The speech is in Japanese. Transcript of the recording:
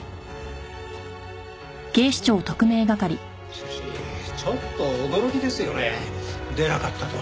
しかしちょっと驚きですよね出なかったとは。